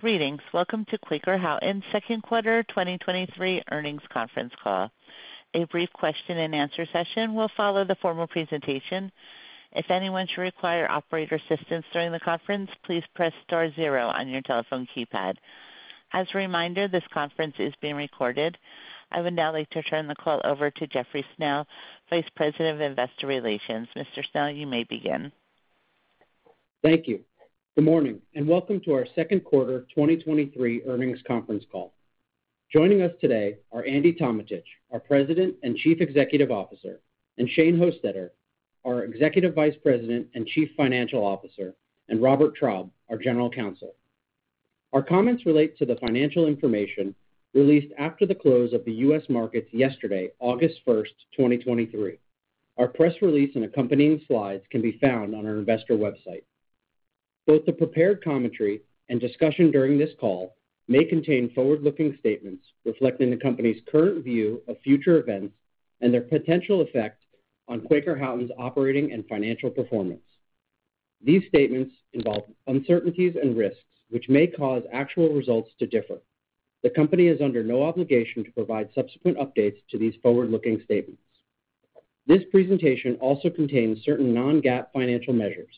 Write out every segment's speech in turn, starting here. Greetings. Welcome to Quaker Houghton's Second Quarter 2023 Earnings Conference Call. A brief question and answer session will follow the formal presentation. If anyone should require operator assistance during the conference, please press star zero on your telephone keypad. As a reminder, this conference is being recorded. I would now like to turn the call over to Jeffrey Schnell, Vice President of Investor Relations. Mr. Schnell, you may begin. Thank you. Good morning, welcome to our second quarter 2023 earnings conference call. Joining us today are Andy Tometich, our President and Chief Executive Officer, and Shane Hostetter, our Executive Vice President and Chief Financial Officer, and Robert Traub, our General Counsel. Our comments relate to the financial information released after the close of the U.S. markets yesterday, August 1, 2023. Our press release and accompanying slides can be found on our investor website. Both the prepared commentary and discussion during this call may contain forward-looking statements reflecting the company's current view of future events and their potential effect on Quaker Houghton's operating and financial performance. These statements involve uncertainties and risks, which may cause actual results to differ. The company is under no obligation to provide subsequent updates to these forward-looking statements. This presentation also contains certain non-GAAP financial measures.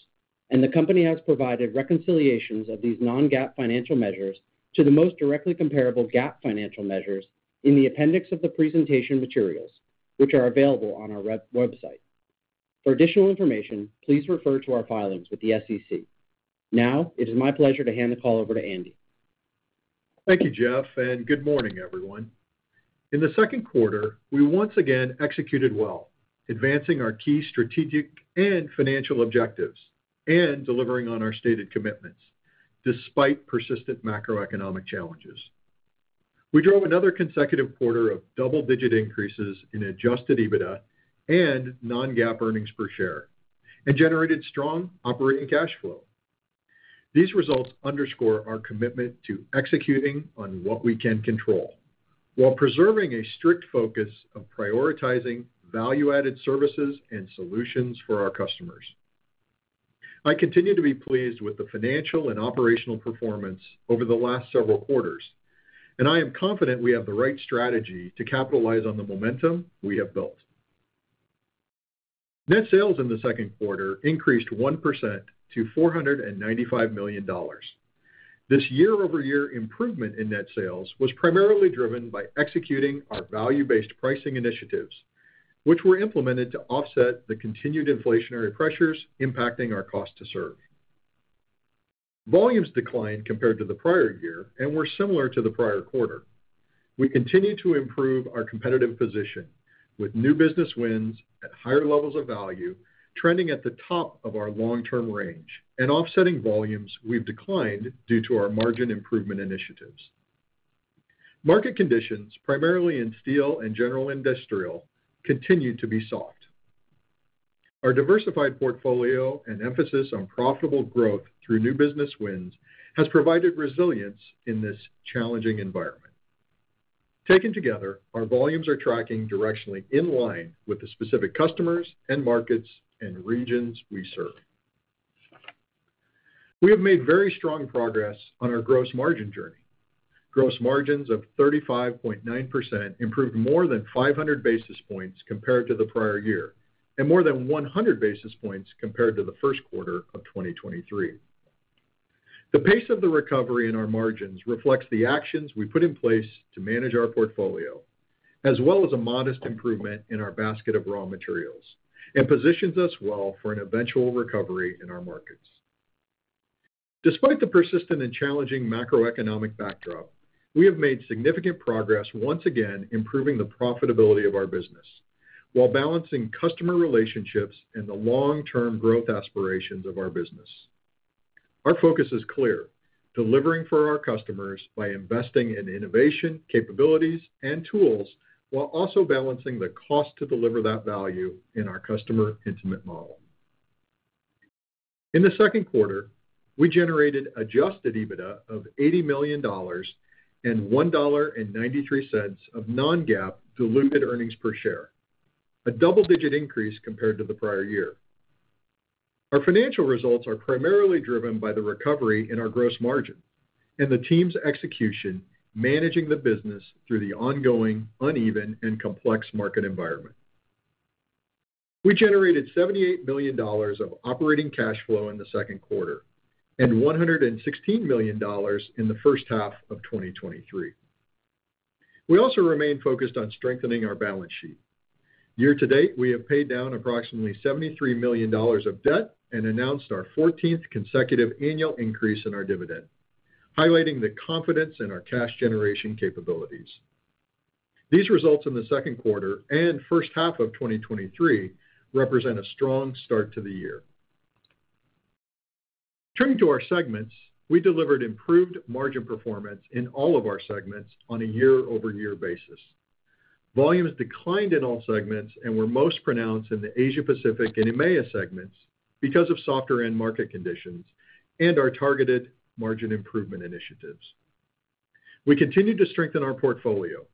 The company has provided reconciliations of these non-GAAP financial measures to the most directly comparable GAAP financial measures in the appendix of the presentation materials, which are available on our website. For additional information, please refer to our filings with the SEC. It is my pleasure to hand the call over to Andy. Thank you, Jeff, and good morning, everyone. In the second quarter, we once again executed well, advancing our key strategic and financial objectives and delivering on our stated commitments despite persistent macroeconomic challenges. We drove another consecutive quarter of double-digit increases in adjusted EBITDA and non-GAAP earnings per share and generated strong operating cash flow. These results underscore our commitment to executing on what we can control while preserving a strict focus of prioritizing value-added services and solutions for our customers. I continue to be pleased with the financial and operational performance over the last several quarters, and I am confident we have the right strategy to capitalize on the momentum we have built. Net sales in the second quarter increased 1% to $495 million. This year-over-year improvement in net sales was primarily driven by executing our value-based pricing initiatives, which were implemented to offset the continued inflationary pressures impacting our cost to serve. Volumes declined compared to the prior year and were similar to the prior quarter. We continue to improve our competitive position with new business wins at higher levels of value, trending at the top of our long-term range and offsetting volumes we've declined due to our margin improvement initiatives. Market conditions, primarily in steel and general industrial, continue to be soft. Our diversified portfolio and emphasis on profitable growth through new business wins has provided resilience in this challenging environment. Taken together, our volumes are tracking directionally in line with the specific customers and markets and regions we serve. We have made very strong progress on our gross margin journey. Gross margins of 35.9% improved more than 500 basis points compared to the prior year, and more than 100 basis points compared to the first quarter of 2023. The pace of the recovery in our margins reflects the actions we put in place to manage our portfolio, as well as a modest improvement in our basket of raw materials, and positions us well for an eventual recovery in our markets. Despite the persistent and challenging macroeconomic backdrop, we have made significant progress once again, improving the profitability of our business while balancing customer relationships and the long-term growth aspirations of our business. Our focus is clear: delivering for our customers by investing in innovation, capabilities, and tools, while also balancing the cost to deliver that value in our customer intimate model. In the second quarter, we generated adjusted EBITDA of $80 million and $1.93 of non-GAAP diluted earnings per share, a double-digit increase compared to the prior year. Our financial results are primarily driven by the recovery in our gross margin and the team's execution, managing the business through the ongoing, uneven, and complex market environment. We generated $78 million of operating cash flow in the second quarter and $116 million in the first half of 2023. We also remain focused on strengthening our balance sheet. Year to date, we have paid down approximately $73 million of debt and announced our fourteenth consecutive annual increase in our dividend, highlighting the confidence in our cash generation capabilities. These results in the second quarter and first half of 2023 represent a strong start to the year. Turning to our segments, we delivered improved margin performance in all of our segments on a year-over-year basis. Volumes declined in all segments and were most pronounced in the Asia-Pacific and EMEA segments because of softer end market conditions and our targeted margin improvement initiatives. We continue to strengthen our portfolio,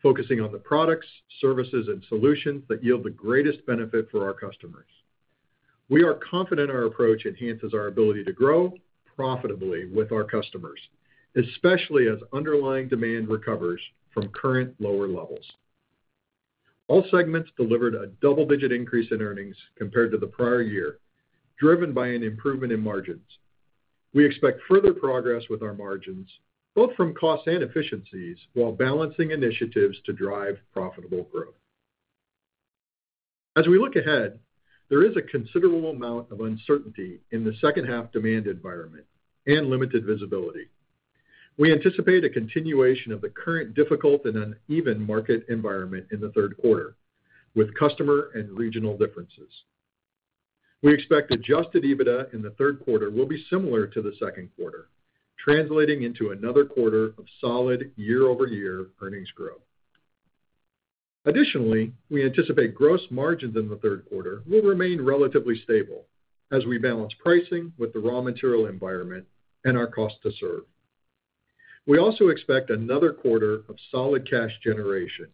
focusing on the products, services, and solutions that yield the greatest benefit for our customers. We are confident our approach enhances our ability to grow profitably with our customers, especially as underlying demand recovers from current lower levels. All segments delivered a double-digit increase in earnings compared to the prior year, driven by an improvement in margins. We expect further progress with our margins, both from costs and efficiencies, while balancing initiatives to drive profitable growth. As we look ahead, there is a considerable amount of uncertainty in the second half demand environment and limited visibility. We anticipate a continuation of the current difficult and uneven market environment in the third quarter, with customer and regional differences. We expect adjusted EBITDA in the third quarter will be similar to the second quarter, translating into another quarter of solid year-over-year earnings growth. Additionally, we anticipate gross margins in the third quarter will remain relatively stable as we balance pricing with the raw material environment and our cost to serve. We also expect another quarter of solid cash generation,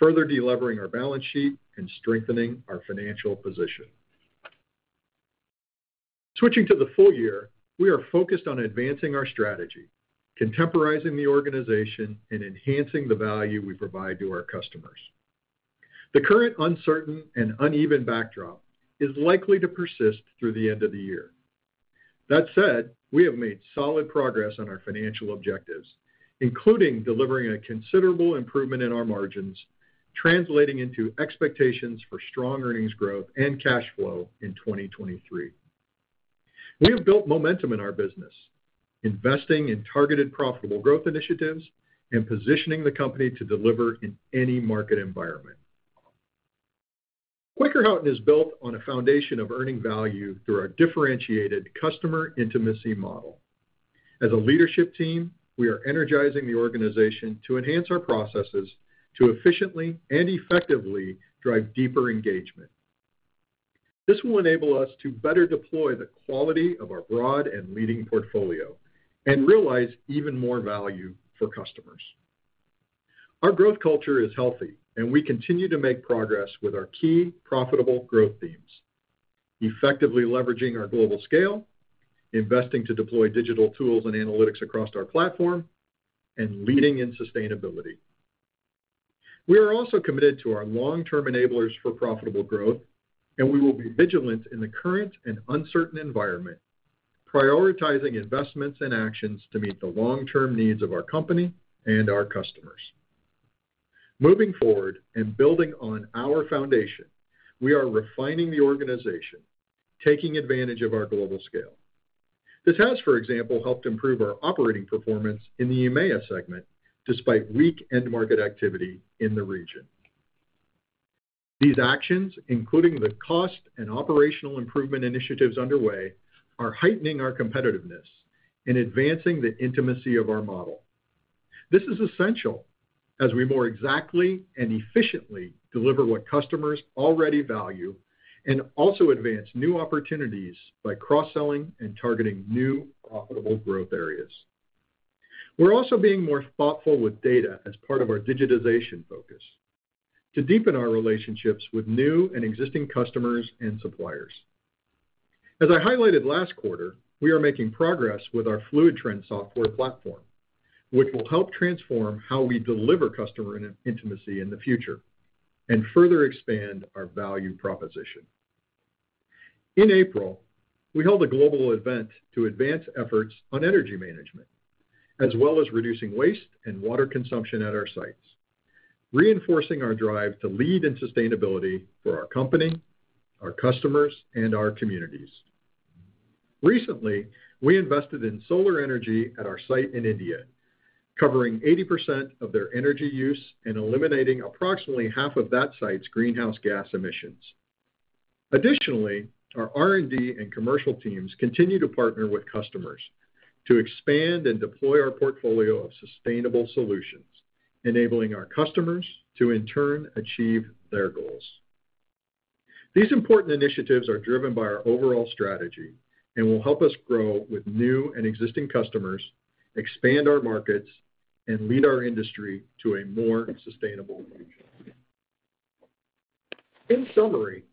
further delevering our balance sheet and strengthening our financial position. Switching to the full year, we are focused on advancing our strategy, contemporizing the organization, and enhancing the value we provide to our customers. The current uncertain and uneven backdrop is likely to persist through the end of the year. That said, we have made solid progress on our financial objectives, including delivering a considerable improvement in our margins, translating into expectations for strong earnings growth and cash flow in 2023. We have built momentum in our business, investing in targeted, profitable growth initiatives and positioning the company to deliver in any market environment. Quaker Houghton is built on a foundation of earning value through our differentiated customer intimacy model. As a leadership team, we are energizing the organization to enhance our processes to efficiently and effectively drive deeper engagement. This will enable us to better deploy the quality of our broad and leading portfolio and realize even more value for customers. Our growth culture is healthy, and we continue to make progress with our key profitable growth themes, effectively leveraging our global scale, investing to deploy digital tools and analytics across our platform, and leading in sustainability. We are also committed to our long-term enablers for profitable growth, and we will be vigilant in the current and uncertain environment, prioritizing investments and actions to meet the long-term needs of our company and our customers. Moving forward and building on our foundation, we are refining the organization, taking advantage of our global scale. This has, for example, helped improve our operating performance in the EMEA segment, despite weak end market activity in the region. These actions, including the cost and operational improvement initiatives underway, are heightening our competitiveness in advancing the intimacy of our model. This is essential as we more exactly and efficiently deliver what customers already value and also advance new opportunities by cross-selling and targeting new profitable growth areas. We're also being more thoughtful with data as part of our digitization focus to deepen our relationships with new and existing customers and suppliers. As I highlighted last quarter, we are making progress with our QH FLUIDTREND software platform, which will help transform how we deliver customer intimacy in the future and further expand our value proposition. In April, we held a global event to advance efforts on energy management, as well as reducing waste and water consumption at our sites, reinforcing our drive to lead in sustainability for our company, our customers, and our communities. Recently, we invested in solar energy at our site in India, covering 80% of their energy use and eliminating approximately half of that site's greenhouse gas emissions. Additionally, our R&D and commercial teams continue to partner with customers to expand and deploy our portfolio of sustainable solutions, enabling our customers to, in turn, achieve their goals. These important initiatives are driven by our overall strategy and will help us grow with new and existing customers, expand our markets, and lead our industry to a more sustainable future. In summary,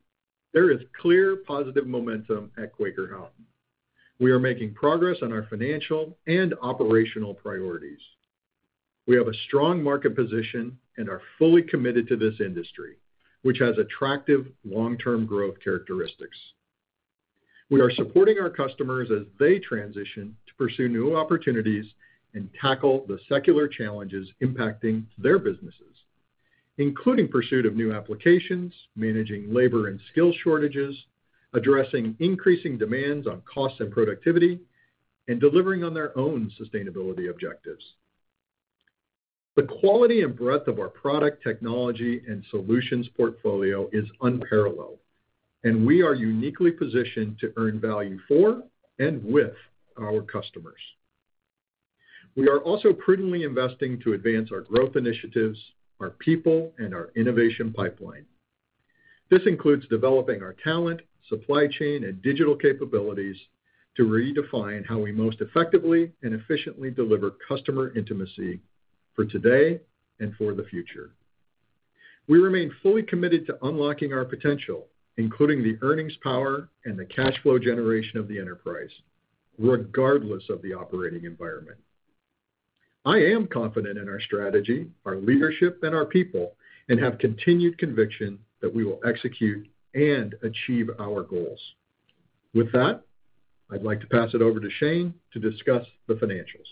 there is clear positive momentum at Quaker Houghton. We are making progress on our financial and operational priorities. We have a strong market position and are fully committed to this industry, which has attractive long-term growth characteristics. We are supporting our customers as they transition to pursue new opportunities and tackle the secular challenges impacting their businesses, including pursuit of new applications, managing labor and skill shortages, addressing increasing demands on cost and productivity, and delivering on their own sustainability objectives. The quality and breadth of our product, technology, and solutions portfolio is unparalleled, and we are uniquely positioned to earn value for and with our customers. We are also prudently investing to advance our growth initiatives, our people, and our innovation pipeline. This includes developing our talent, supply chain, and digital capabilities to redefine how we most effectively and efficiently deliver customer intimacy for today and for the future. We remain fully committed to unlocking our potential, including the earnings power and the cash flow generation of the enterprise, regardless of the operating environment. I am confident in our strategy, our leadership, and our people, and have continued conviction that we will execute and achieve our goals. With that, I'd like to pass it over to Shane to discuss the financials.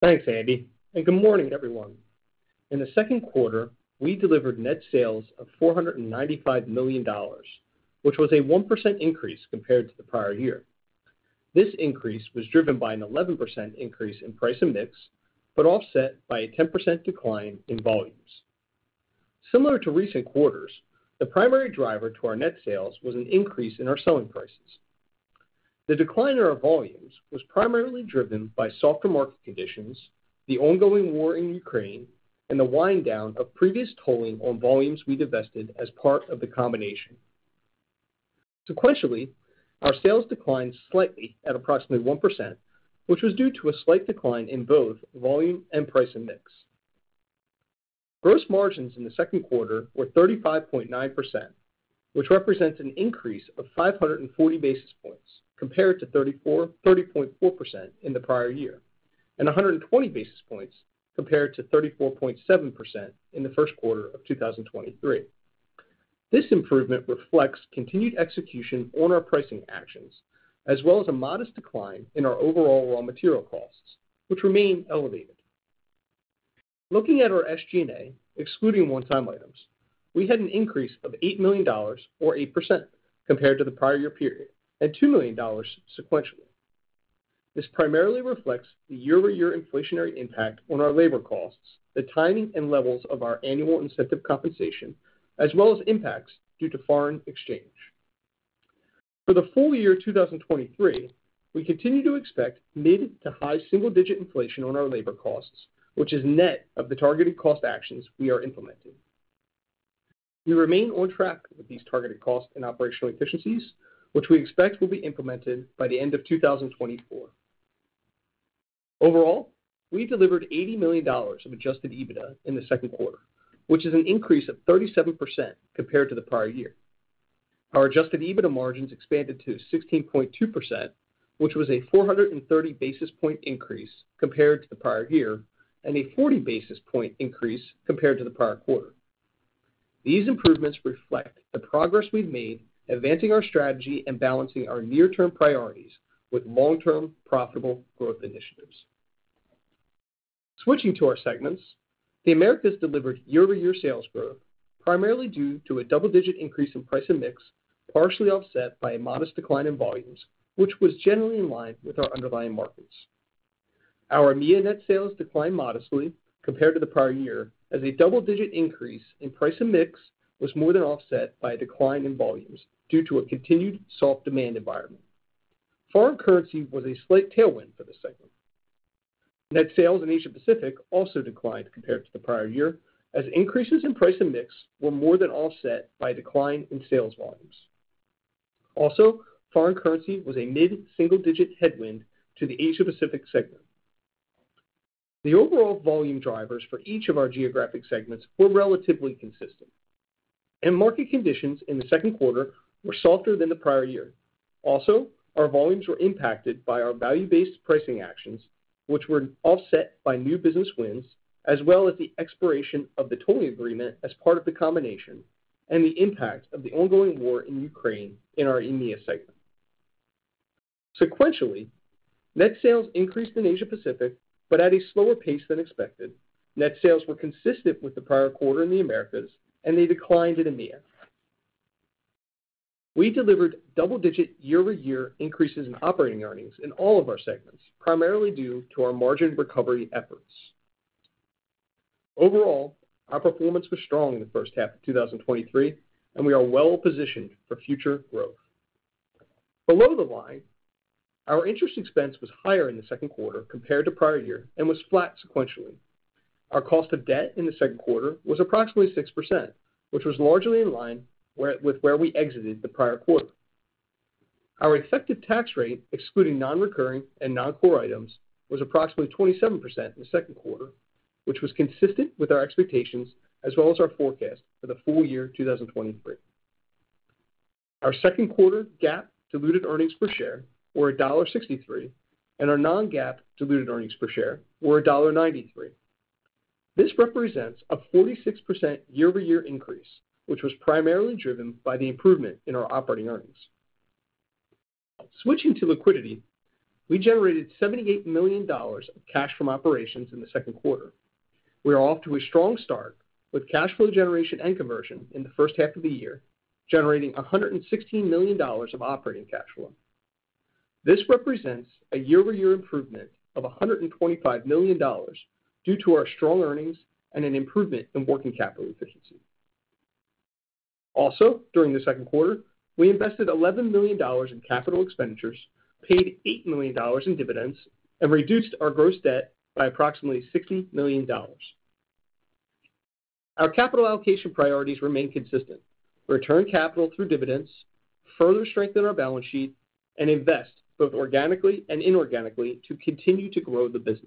Thanks, Andy, and good morning, everyone. In the second quarter, we delivered net sales of $495 million, which was a 1% increase compared to the prior year. This increase was driven by an 11% increase in price and mix, but offset by a 10% decline in volumes. Similar to recent quarters, the primary driver to our net sales was an increase in our selling prices. The decline in our volumes was primarily driven by softer market conditions, the ongoing war in Ukraine, and the wind down of previous tolling on volumes we divested as part of the combination. Sequentially, our sales declined slightly at approximately 1%, which was due to a slight decline in both volume and price and mix. Gross margins in the second quarter were 35.9%, which represents an increase of 540 basis points compared to 30.4% in the prior year, and 120 basis points compared to 34.7% in the first quarter of 2023. This improvement reflects continued execution on our pricing actions, as well as a modest decline in our overall raw material costs, which remain elevated. Looking at our SG&A, excluding one-time items, we had an increase of $8 million or 8% compared to the prior year period, and $2 million sequentially. This primarily reflects the year-over-year inflationary impact on our labor costs, the timing and levels of our annual incentive compensation, as well as impacts due to foreign exchange. For the full year 2023, we continue to expect mid to high single digit inflation on our labor costs, which is net of the targeted cost actions we are implementing. We remain on track with these targeted costs and operational efficiencies, which we expect will be implemented by the end of 2024. Overall, we delivered $80 million of adjusted EBITDA in the second quarter, which is an increase of 37% compared to the prior year. Our adjusted EBITDA margins expanded to 16.2%, which was a 430 basis point increase compared to the prior year, and a 40 basis point increase compared to the prior quarter. These improvements reflect the progress we've made advancing our strategy and balancing our near-term priorities with long-term profitable growth initiatives. Switching to our segments, the Americas delivered year-over-year sales growth, primarily due to a double-digit increase in price and mix, partially offset by a modest decline in volumes, which was generally in line with our underlying markets. Our EMEA net sales declined modestly compared to the prior year, as a double-digit increase in price and mix was more than offset by a decline in volumes due to a continued soft demand environment. Foreign currency was a slight tailwind for this segment. Net sales in Asia-Pacific declined compared to the prior year, as increases in price and mix were more than offset by a decline in sales volumes. Foreign currency was a mid-single digit headwind to the Asia-Pacific segment. The overall volume drivers for each of our geographic segments were relatively consistent, and market conditions in the second quarter were softer than the prior year. Our volumes were impacted by our value-based pricing actions, which were offset by new business wins, as well as the expiration of the tolling agreement as part of the combination and the impact of the ongoing war in Ukraine in our EMEA segment. Sequentially, net sales increased in Asia-Pacific, but at a slower pace than expected. Net sales were consistent with the prior quarter in the Americas, and they declined in EMEA. We delivered double-digit year-over-year increases in operating earnings in all of our segments, primarily due to our margin recovery efforts. Overall, our performance was strong in the first half of 2023, and we are well positioned for future growth. Below the line, our interest expense was higher in the second quarter compared to prior year and was flat sequentially. Our cost of debt in the second quarter was approximately 6%, which was largely in line with where we exited the prior quarter. Our effective tax rate, excluding non-recurring and non-core items, was approximately 27% in the second quarter, which was consistent with our expectations, as well as our forecast for the full year 2023. Our second quarter GAAP diluted earnings per share were $1.63, and our non-GAAP diluted earnings per share were $1.93. This represents a 46% year-over-year increase, which was primarily driven by the improvement in our operating earnings. Switching to liquidity, we generated $78 million of cash from operations in the second quarter. We are off to a strong start with cash flow generation and conversion in the first half of the year, generating $116 million of operating cash flow. This represents a year-over-year improvement of $125 million, due to our strong earnings and an improvement in working capital efficiency. Also, during the second quarter, we invested $11 million in capital expenditures, paid $8 million in dividends and reduced our gross debt by approximately $60 million. Our capital allocation priorities remain consistent: return capital through dividends, further strengthen our balance sheet, and invest both organically and inorganically to continue to grow the business.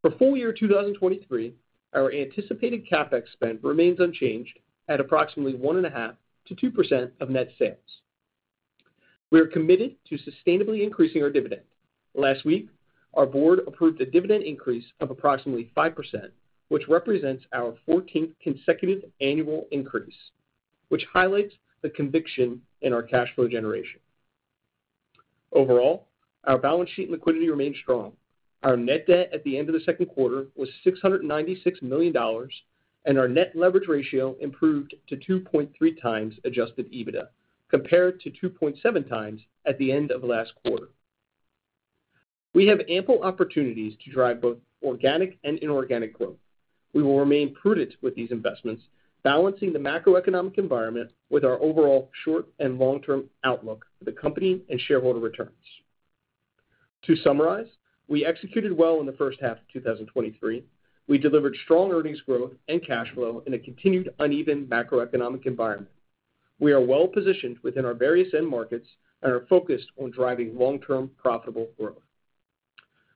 For full year 2023, our anticipated CapEx spend remains unchanged at approximately 1.5%-2% of net sales. We are committed to sustainably increasing our dividend. Last week, our board approved a dividend increase of approximately 5%, which represents our 14th consecutive annual increase, which highlights the conviction in our cash flow generation. Overall, our balance sheet liquidity remains strong. Our net debt at the end of the second quarter was $696 million, and our net leverage ratio improved to 2.3x adjusted EBITDA, compared to 2.7x at the end of last quarter. We have ample opportunities to drive both organic and inorganic growth. We will remain prudent with these investments, balancing the macroeconomic environment with our overall short and long-term outlook for the company and shareholder returns. To summarize, we executed well in the first half of 2023. We delivered strong earnings growth and cash flow in a continued uneven macroeconomic environment. We are well positioned within our various end markets and are focused on driving long-term profitable growth.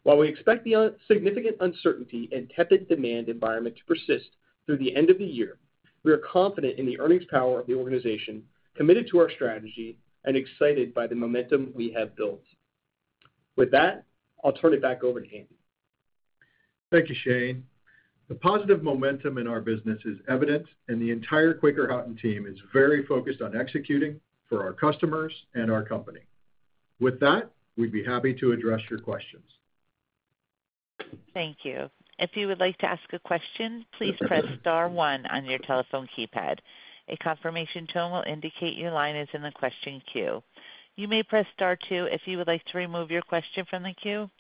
While we expect the significant uncertainty and tepid demand environment to persist through the end of the year, we are confident in the earnings power of the organization, committed to our strategy, and excited by the momentum we have built. With that, I'll turn it back over to Andy. Thank you, Shane. The positive momentum in our business is evident, and the entire Quaker Houghton team is very focused on executing for our customers and our company. With that, we'd be happy to address your questions. Thank you. If you would like to ask a question, please press star one on your telephone keypad. A confirmation tone will indicate your line is in the question queue. You may press Star two if you would like to remove your question from the queue,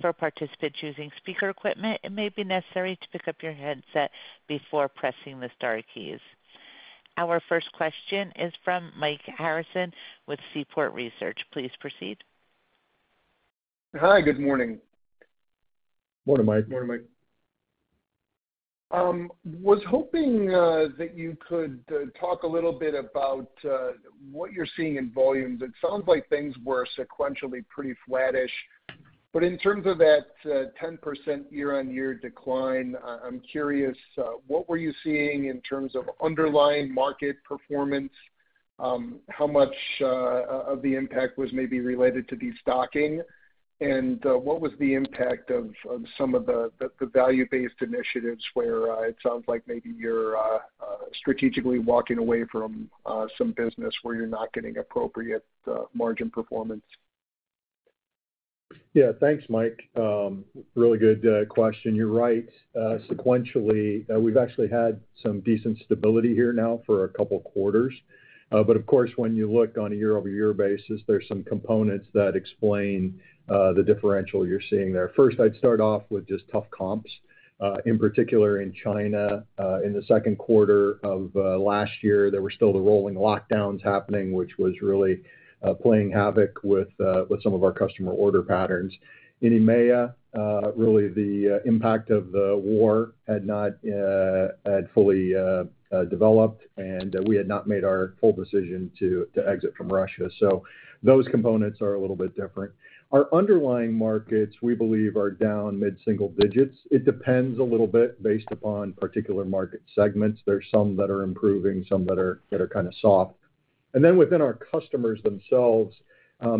for participants using speaker equipment, it may be necessary to pick up your headset before pressing the star keys. Our first question is from Mike Harrison with Seaport Research. Please proceed. Hi, good morning. Morning, Mike. Morning, Mike. Was hoping that you could talk a little bit about what you're seeing in volumes. It sounds like things were sequentially pretty flattish, but in terms of that 10% year-over-year decline, I'm curious what were you seeing in terms of underlying market performance? How much of the impact was maybe related to destocking? And what was the impact of some of the value-based initiatives where it sounds like maybe you're strategically walking away from some business where you're not getting appropriate margin performance? Yeah. Thanks, Mike. Really good question. You're right. Sequentially, we've actually had some decent stability here now for 2 quarters. Of course, when you look on a year-over-year basis, there's some components that explain the differential you're seeing there. First, I'd start off with just tough comps, in particular in China. In the second quarter of last year, there were still the rolling lockdowns happening, which was really playing havoc with some of our customer order patterns. In EMEA, really, the impact of the war had not had fully developed, and we had not made our full decision to exit from Russia. Those components are a little bit different. Our underlying markets, we believe, are down mid-single digits. It depends a little bit based upon particular market segments. There are some that are improving, some that are, that are kind of soft. Then within our customers themselves,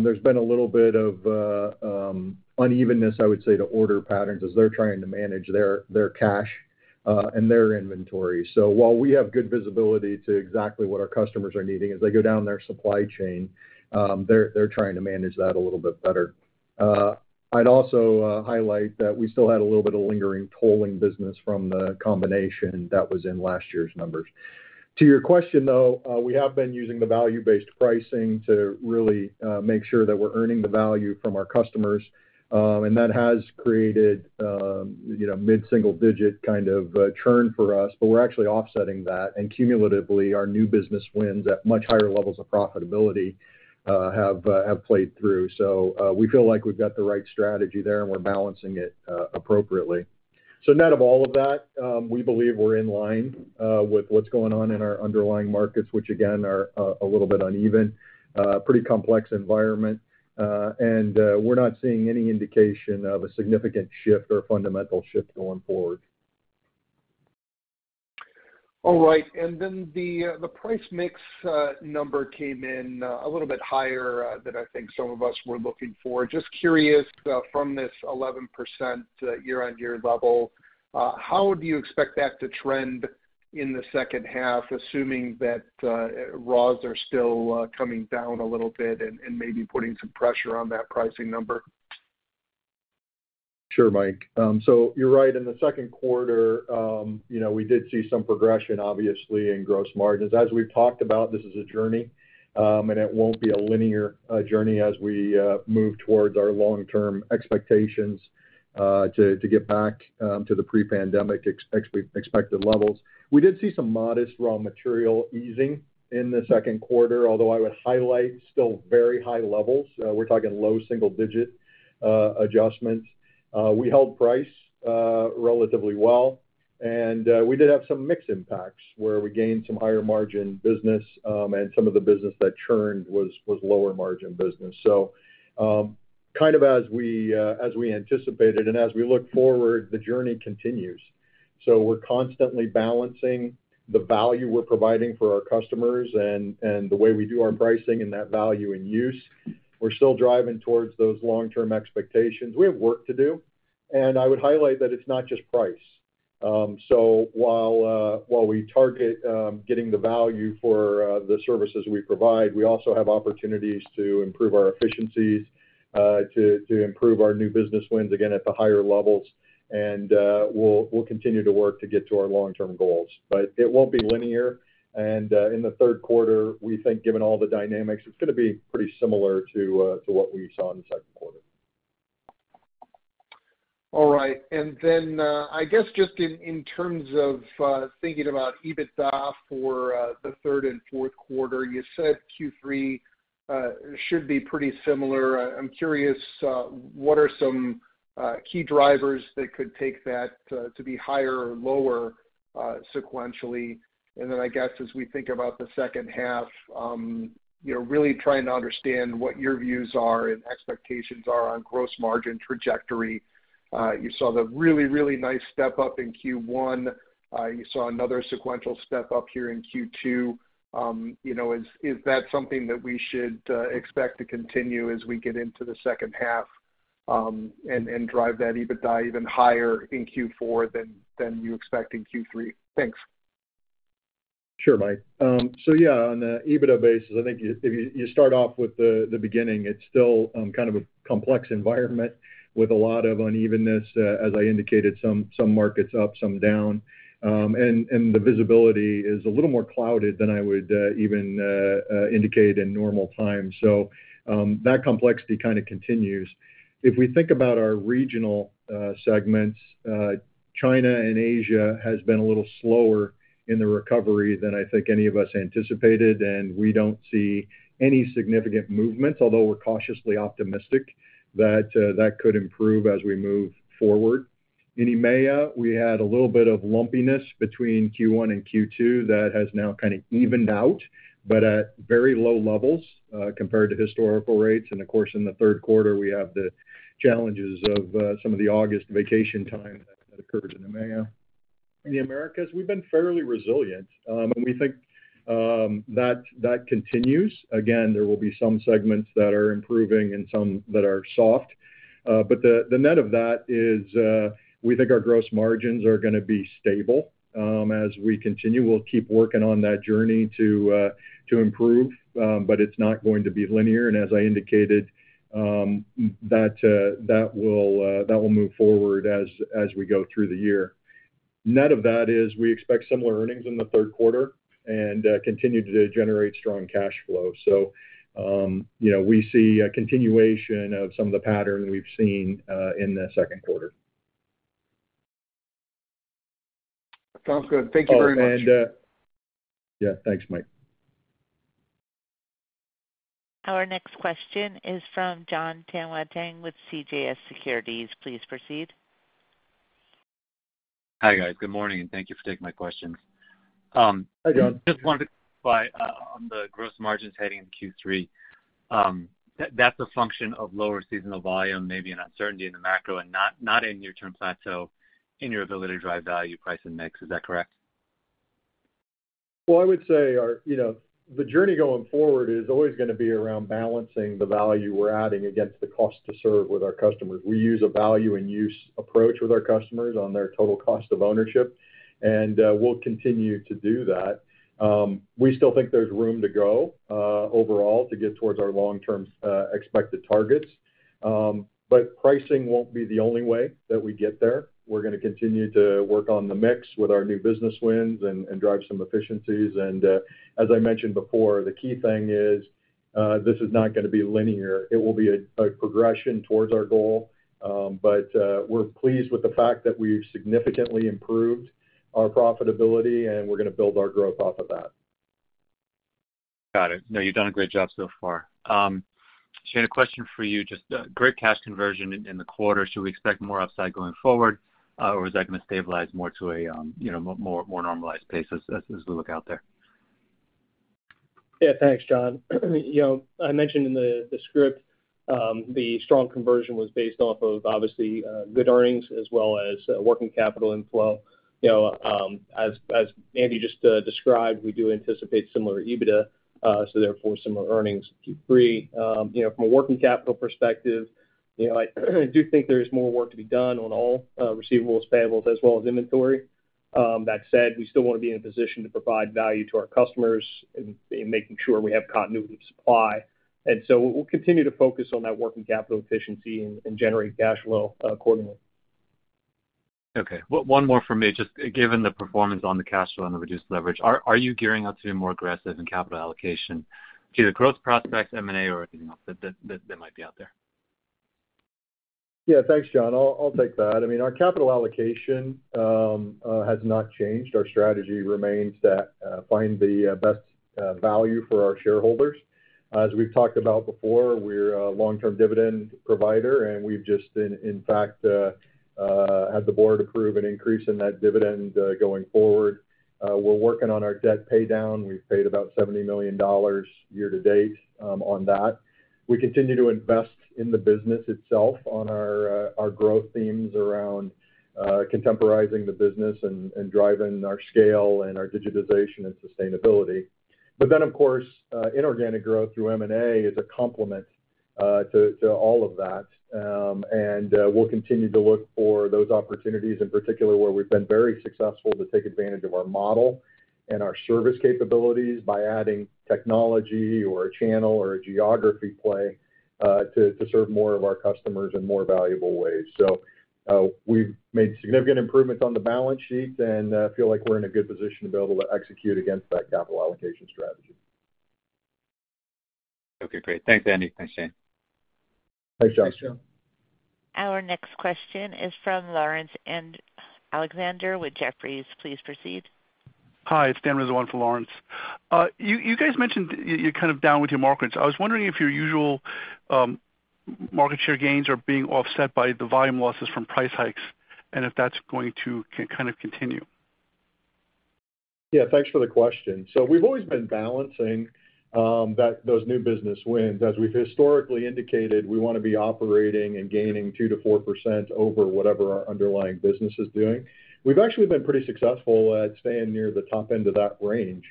there's been a little bit of unevenness, I would say, to order patterns as they're trying to manage their, their cash, and their inventory. While we have good visibility to exactly what our customers are needing, as they go down their supply chain, they're, they're trying to manage that a little bit better. I'd also highlight that we still had a little bit of lingering tolling business from the combination that was in last year's numbers. To your question, though, we have been using the value-based pricing to really make sure that we're earning the value from our customers, and that has created, you know, mid-single digit kind of churn for us. We're actually offsetting that, and cumulatively, our new business wins at much higher levels of profitability have played through. We feel like we've got the right strategy there, and we're balancing it appropriately. Net of all of that, we believe we're in line with what's going on in our underlying markets, which, again, are a little bit uneven. Pretty complex environment, and we're not seeing any indication of a significant shift or fundamental shift going forward. All right. The price mix number came in a little bit higher than I think some of us were looking for. Just curious, from this 11% year-on-year level, how do you expect that to trend in the second half, assuming that raws are still coming down a little bit and maybe putting some pressure on that pricing number? Sure, Mike. So you're right. In the second quarter, you know, we did see some progression, obviously, in gross margins. As we've talked about, this is a journey, and it won't be a linear journey as we move towards our long-term expectations, to get back to the pre-pandemic expected levels. We did see some modest raw material easing in the second quarter, although I would highlight still very high levels. We're talking low single-digit adjustments. We held price relatively well. We did have some mix impacts, where we gained some higher-margin business, and some of the business that churned was lower-margin business. Kind of as we anticipated, and as we look forward, the journey continues. We're constantly balancing the value we're providing for our customers and the way we do our pricing and that value in use. We're still driving towards those long-term expectations. We have work to do, and I would highlight that it's not just price. While we target getting the value for the services we provide, we also have opportunities to improve our efficiencies, to improve our new business wins, again, at the higher levels. We'll continue to work to get to our long-term goals. It won't be linear, and in the third quarter, we think given all the dynamics, it's gonna be pretty similar to what we saw in the second quarter. All right. Then, I guess, just in, in terms of, thinking about EBITDA for, the third and fourth quarter, you said Q3, should be pretty similar. I'm curious, what are some, key drivers that could take that, to be higher or lower, sequentially? Then, I guess, as we think about the second half, you know, really trying to understand what your views are and expectations are on gross margin trajectory. You saw the really, really nice step-up in Q1. You saw another sequential step-up here in Q2. You know, is that something that we should expect to continue as we get into the second half, and drive that EBITDA even higher in Q4 than you expect in Q3? Thanks. Sure, Mike. On the EBITDA basis, I think if, if you start off with the beginning, it's still kind of a complex environment with a lot of unevenness, as I indicated, some, some markets up, some down. The visibility is a little more clouded than I would even indicate in normal times. That complexity kind of continues. If we think about our regional segments, China and Asia has been a little slower in the recovery than I think any of us anticipated, and we don't see any significant movement, although we're cautiously optimistic that that could improve as we move forward. In EMEA, we had a little bit of lumpiness between Q1 and Q2 that has now kind of evened out, but at very low levels compared to historical rates. Of course, in the third quarter, we have the challenges of some of the August vacation time that occurs in EMEA. In the Americas, we've been fairly resilient, and we think that continues. Again, there will be some segments that are improving and some that are soft. The net of that is we think our gross margins are going to be stable as we continue. We'll keep working on that journey to improve, but it's not going to be linear. As I indicated, that will move forward as we go through the year. Net of that is we expect similar earnings in the third quarter and continue to generate strong cash flow. You know, we see a continuation of some of the patterns we've seen in the second quarter. Sounds good. Thank you very much. Oh, and, yeah, thanks, Mike. Our next question is from Jon Tanwanteng with CJS Securities. Please proceed. Hi, guys. Good morning, and thank you for taking my questions. Hi, John. Just wanted to clarify, on the gross margins heading in Q3, that's a function of lower seasonal volume, maybe an uncertainty in the macro, and not, not in your term plateau, in your ability to drive value, price, and mix. Is that correct? Well, I would say our, you know, the journey going forward is always gonna be around balancing the value we're adding against the cost to serve with our customers. We use a value in use approach with our customers on their total cost of ownership, and we'll continue to do that. We still think there's room to go overall, to get towards our long-term expected targets. Pricing won't be the only way that we get there. We're gonna continue to work on the mix with our new business wins and drive some efficiencies. As I mentioned before, the key thing is this is not gonna be linear. It will be a progression towards our goal, but we're pleased with the fact that we've significantly improved our profitability, and we're gonna build our growth off of that. Got it. No, you've done a great job so far. Shane, a question for you. Just, great cash conversion in, in the quarter. Should we expect more upside going forward, or is that gonna stabilize more to a, you know, more, more normalized pace as, as we look out there? Yeah. Thanks, John. You know, I mentioned in the script, the strong conversion was based off of, obviously, good earnings as well as working capital inflow. You know, as, as Andy just described, we do anticipate similar EBITDA, so therefore, similar earnings Q3. You know, from a working capital perspective, you know, I do think there is more work to be done on all receivables, payables, as well as inventory. That said, we still want to be in a position to provide value to our customers in, in making sure we have continuity of supply. So we'll continue to focus on that working capital efficiency and, and generate cash flow accordingly. Okay. One, one more from me. Just given the performance on the cash flow and the reduced leverage, are, are you gearing up to be more aggressive in capital allocation to the growth prospects, M&A, or, you know, that, that, that might be out there? Yeah, thanks, John. I'll take that. I mean, our capital allocation has not changed. Our strategy remains to find the best value for our shareholders. As we've talked about before, we're a long-term dividend provider, and we've just been, in fact, had the board approve an increase in that dividend going forward. We're working on our debt pay down. We've paid about $70 million year-to-date on that. We continue to invest in the business itself on our growth themes around contemporizing the business and driving our scale and our digitization and sustainability. But then, of course, inorganic growth through M&A is a complement to all of that. We'll continue to look for those opportunities, in particular, where we've been very successful, to take advantage of our model and our service capabilities by adding technology or a channel or a geography play, to, to serve more of our customers in more valuable ways. We've made significant improvements on the balance sheet and feel like we're in a good position to be able to execute against that capital allocation strategy. Okay, great. Thanks, Andy. Thanks, Shane. Thanks, Jon. Our next question is from Laurence Alexander with Jefferies. Please proceed. Hi, it's Dan Rizzo for Lawrence. You guys mentioned you're kind of down with your markets. I was wondering if your usual market share gains are being offset by the volume losses from price hikes, and if that's going to kind of continue? Yeah, thanks for the question. We've always been balancing those new business wins. As we've historically indicated, we want to be operating and gaining 2%-4% over whatever our underlying business is doing. We've actually been pretty successful at staying near the top end of that range.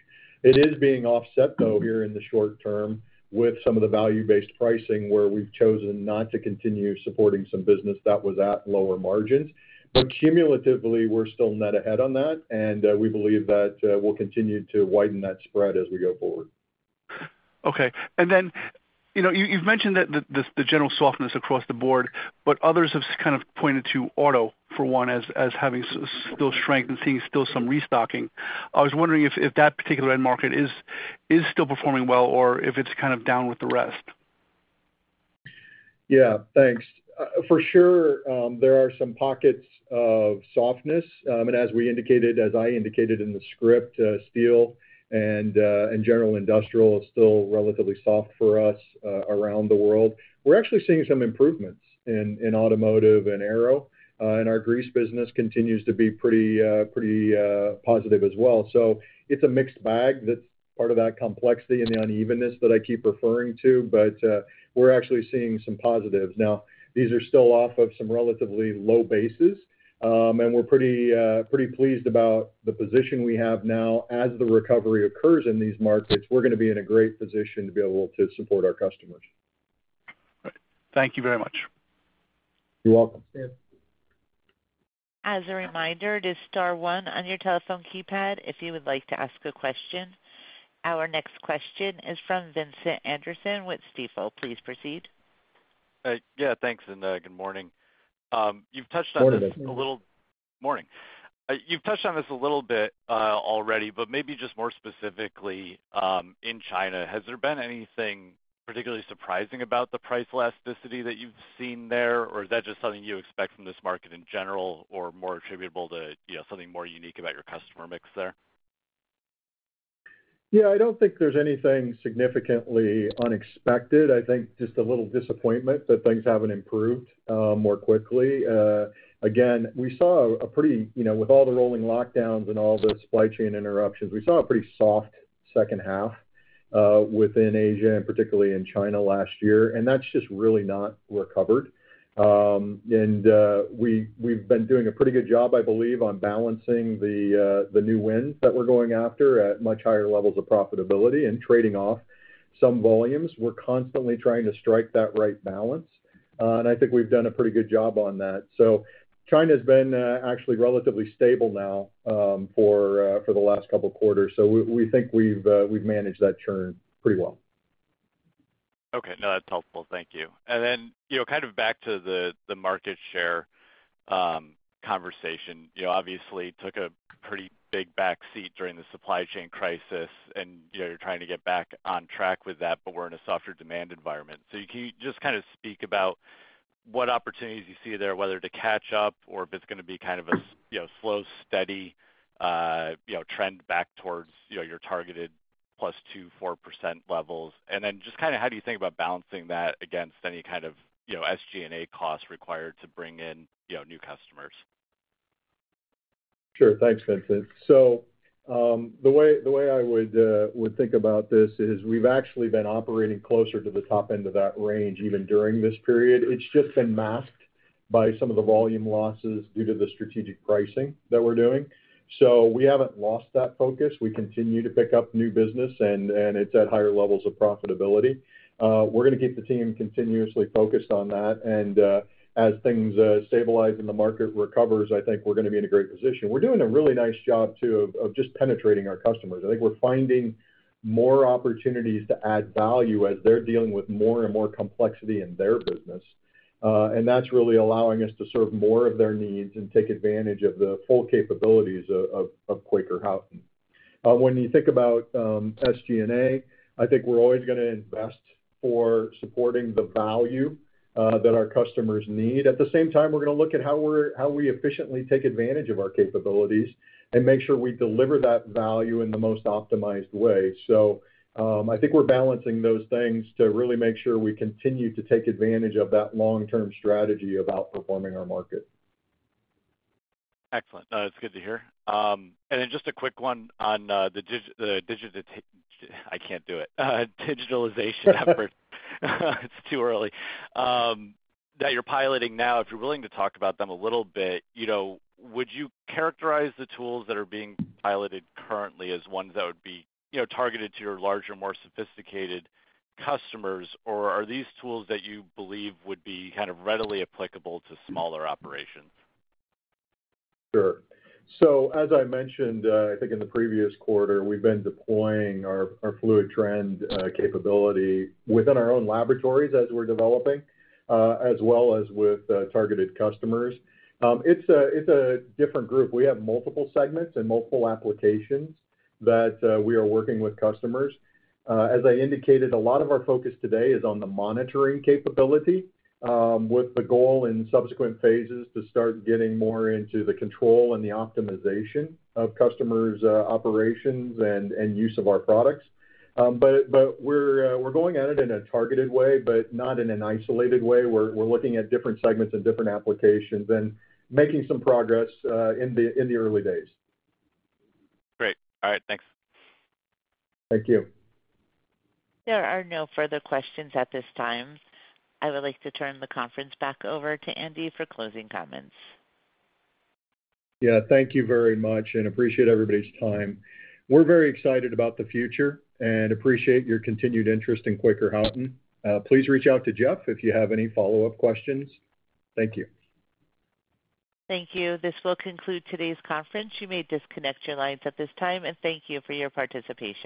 It is being offset, though, here in the short term with some of the value-based pricing, where we've chosen not to continue supporting some business that was at lower margins. Cumulatively, we're still net ahead on that, and we believe that we'll continue to widen that spread as we go forward. Okay. Then, you know, you, you've mentioned that the, the general softness across the board, but others have kind of pointed to auto, for one, as, as having still strength and seeing still some restocking. I was wondering if, if that particular end market is, is still performing well or if it's kind of down with the rest? Yeah, thanks. For sure, there are some pockets of softness, and as we indicated, as I indicated in the script, steel and general industrial is still relatively soft for us around the world. We're actually seeing some improvements in, in automotive and aero, and our grease business continues to be pretty, pretty positive as well. It's a mixed bag. That's part of that complexity and the unevenness that I keep referring to. We're actually seeing some positives. Now, these are still off of some relatively low bases, and we're pretty, pretty pleased about the position we have now. As the recovery occurs in these markets, we're gonna be in a great position to be able to support our customers. Thank you very much. You're welcome. As a reminder, it is star one on your telephone keypad if you would like to ask a question. Our next question is from Vincent Anderson with Stifel. Please proceed. Yeah, thanks, and, good morning. You've touched on this a little- Morning. Morning. You've touched on this a little bit already, but maybe just more specifically, in China, has there been anything particularly surprising about the price elasticity that you've seen there? Or is that just something you expect from this market in general, or more attributable to, you know, something more unique about your customer mix there? Yeah, I don't think there's anything significantly unexpected. I think just a little disappointment that things haven't improved more quickly. Again, we saw a pretty, you know, with all the rolling lockdowns and all the supply chain interruptions, we saw a pretty soft second half within Asia and particularly in China last year, and that's just really not recovered. We, we've been doing a pretty good job, I believe, on balancing the new wins that we're going after at much higher levels of profitability and trading off some volumes. We're constantly trying to strike that right balance, and I think we've done a pretty good job on that. China's been actually relatively stable now for the last 2 quarters. We, we think we've managed that churn pretty well. Okay. No, that's helpful. Thank you. You know, kind of back to the, the market share conversation. You know, obviously took a pretty big backseat during the supply chain crisis, and, you know, you're trying to get back on track with that, but we're in a softer demand environment. Can you just kind of speak about what opportunities you see there, whether to catch up or if it's gonna be kind of a, you know, slow, steady, you know, trend back towards, you know, your targeted +2-4% levels? Just kind of how do you think about balancing that against any kind of, you know, SG&A costs required to bring in, you know, new customers? Sure. Thanks, Vincent. The way, the way I would, would think about this is we've actually been operating closer to the top end of that range, even during this period. It's just been masked by some of the volume losses due to the strategic pricing that we're doing. We haven't lost that focus. We continue to pick up new business and, and it's at higher levels of profitability. We're gonna keep the team continuously focused on that, and, as things, stabilize and the market recovers, I think we're gonna be in a great position. We're doing a really nice job, too, of, of just penetrating our customers. I think we're finding more opportunities to add value as they're dealing with more and more complexity in their business, and that's really allowing us to serve more of their needs and take advantage of the full capabilities of Quaker Houghton. When you think about SG&A, I think we're always gonna invest for supporting the value that our customers need. At the same time, we're gonna look at how we efficiently take advantage of our capabilities and make sure we deliver that value in the most optimized way. I think we're balancing those things to really make sure we continue to take advantage of that long-term strategy of outperforming our market. Excellent. It's good to hear. And then just a quick one on the digitalization effort. It's too early that you're piloting now. If you're willing to talk about them a little bit, you know, would you characterize the tools that are being piloted currently as ones that would be, you know, targeted to your larger, more sophisticated customers? Or are these tools that you believe would be kind of readily applicable to smaller operations? Sure. As I mentioned, I think in the previous quarter, we've been deploying our, our QH FLUIDTREND capability within our own laboratories as we're developing, as well as with targeted customers. It's a, it's a different group. We have multiple segments and multiple applications that we are working with customers. As I indicated, a lot of our focus today is on the monitoring capability, with the goal in subsequent phases, to start getting more into the control and the optimization of customers' operations and, and use of our products. But we're, we're going at it in a targeted way, but not in an isolated way. We're, we're looking at different segments and different applications and making some progress in the, in the early days. Great. All right, thanks. Thank you. There are no further questions at this time. I would like to turn the conference back over to Andy for closing comments. Yeah, thank you very much, and appreciate everybody's time. We're very excited about the future and appreciate your continued interest in Quaker Houghton. Please reach out to Jeff if you have any follow-up questions. Thank you. Thank you. This will conclude today's conference. You may disconnect your lines at this time, and thank you for your participation.